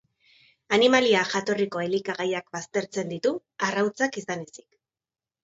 Animalia jatorriko elikagaiak baztertzen ditu, arrautzak izan ezik.